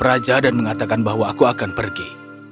raja dan mengatakan bahwa aku akan pergi